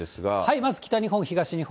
まず北日本、東日本。